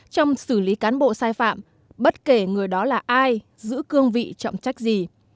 trong xử lý cán bộ sai phạm bất kể người đó là ai giữ cương vị trọng trách gì